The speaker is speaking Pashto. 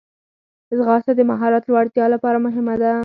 ځغاسته د مهارت لوړتیا لپاره مهمه ده